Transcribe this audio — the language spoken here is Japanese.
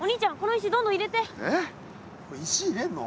石入れんの？